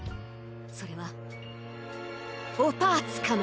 それはお・パーツかも！